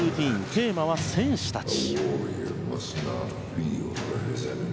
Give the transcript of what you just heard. テーマは戦士たち。